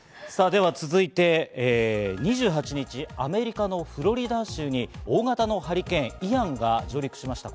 では続いて２８日、アメリカのフロリダ州に大型のハリケーン・イアンが上陸しました。